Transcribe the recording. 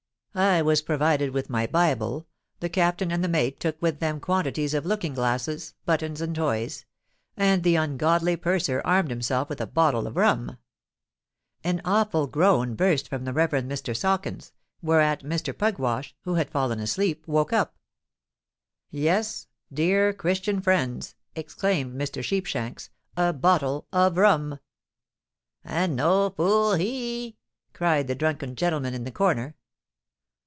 I was provided with my Bible; the captain and the mate took with them quantities of looking glasses, buttons, and toys; and the ungodly purser armed himself with a bottle of rum." An awful groan burst from the Rev. Mr. Sawkins, whereat Mr. Pugwash, who had fallen asleep, woke up. "Yes—dear Christian friends," exclaimed Mr. Sheepshanks; "a bottle of rum!" "And no fool he!" cried the drunken gentleman in the corner.